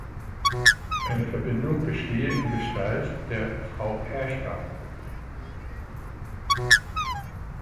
Eine Verbindung bestehe in Gestalt der „Frau Perchta“.